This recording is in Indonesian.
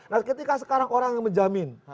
nah ketika sekarang orang yang menjamin